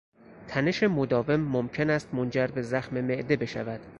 تنش مداوم ممکن است منجر به زخم معده بشود.